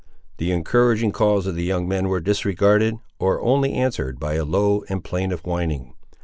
The encouraging calls of the young men were disregarded, or only answered by a low and plaintive whining.